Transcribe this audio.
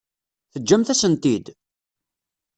Teǧǧamt-asen-t-id?